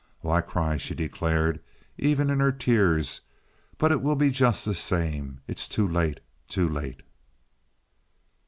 "Oh, I cry," she declared, even in her tears, "but it will be just the same. It's too late! too late!"